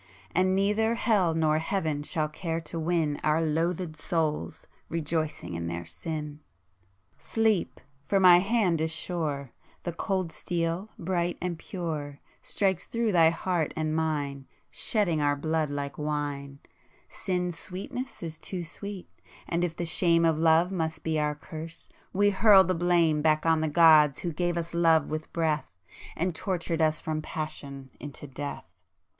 [p 157] And neither hell nor heaven shall care to win Our loathëd souls, rejoicing in their sin! Sleep!—for my hand is sure,— The cold steel bright and pure Strikes through thy heart and mine Shedding our blood like wine;— Sin's sweetness is too sweet, and if the shame Of love must be our curse, we hurl the blame Back on the gods who gave us love with breath And tortured us from passion into death!